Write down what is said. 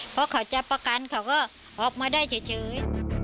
เพราะเขาจะประกันเขาก็ออกมาได้เฉย